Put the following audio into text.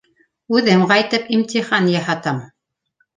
Үҙем ҡайтып имтихан яһатам.